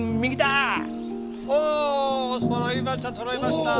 おそろいました